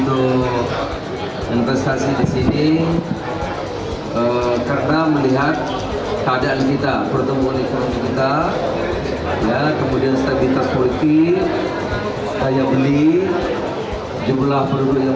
untuk mengembangkan usaha dan potensi perekonomian